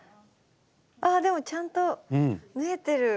あでもちゃんと縫えてる。